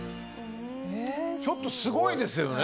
ちょっとすごいですよね。